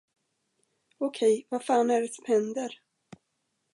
Okej, vad fan är det som händer?